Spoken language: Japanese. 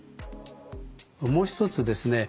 もう一つですね